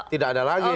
tidak ada lagi